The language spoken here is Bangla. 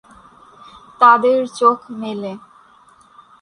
তাদের চোখ মেলে।